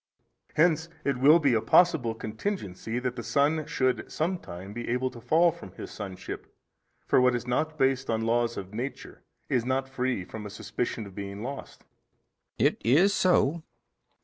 A. Hence it will be a possible contingency that the son should some time be able to fall from his sonship: for what is not based on laws of nature is not free from a suspicion of being lost. B. It is so.